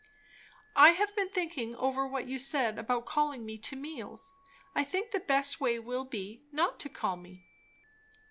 "I have been thinking over what you said about calling me to meals. I think the best way will be, not to call me."